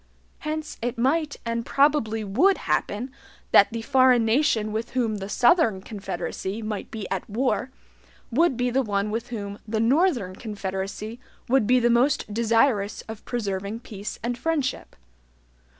Hence it might and probably would happen that the foreign nation with whom the SOUTHERN confederacy might be at war would be the one with whom the NORTHERN confederacy would be the most desirous of preserving peace and friendship.